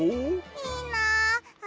いいなあ。